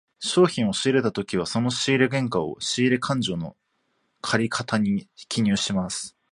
商品を仕入れたときはその仕入れ原価を、仕入れ勘定の借方に記入します。